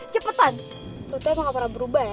cepetan lo tuh emang gak pernah berubah ya